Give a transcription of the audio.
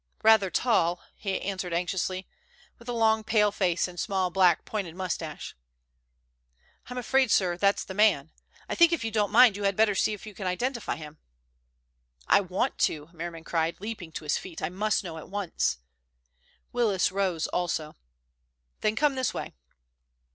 "Rather tall," he answered anxiously, "with a long pale face, and small, black, pointed mustache." "I'm afraid, sir, that's the man. I think if you don't mind you had better see if you can identify him." "I want to," Merriman cried, leaping to his feet "I must know at once." Willis rose also. "Then come this way."